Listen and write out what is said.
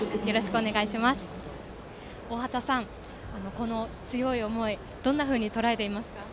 おおはたさん、この強い思いどんなふうにとらえていますか。